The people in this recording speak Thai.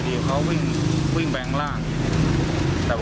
มีประวัติศาสตร์ที่สุดในประวัติศาสตร์